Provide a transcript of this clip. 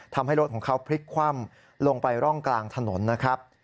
ทำให้รถของเขาพลิกคว่ำลงไปร่องกลางถนนนะครับ